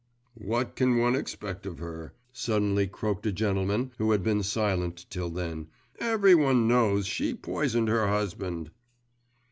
'What can one expect of her?' suddenly croaked a gentleman who had been silent till then, 'every one knows she poisoned her husband!